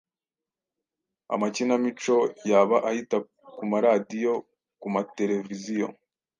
amakinamico yaba ahita ku maradiyo, ku matereviziyo,